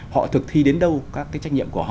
họ thực thi đến đâu các cái trách nhiệm của họ